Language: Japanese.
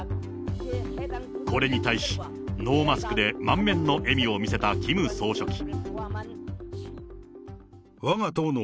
これに対し、ノーマスクで満面の笑みを見せたキム総書記。